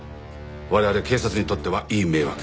我々警察にとってはいい迷惑。